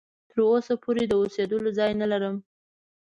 تر اوسه پوري د اوسېدلو ځای نه لرم.